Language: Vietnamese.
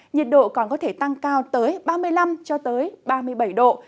nhiệt độ còn có thể tăng cao tới ba mươi năm ba mươi bảy độ